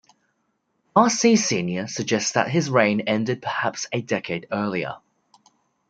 R. C. Senior suggests that his reign ended perhaps a decade earlier.